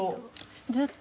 ずっと。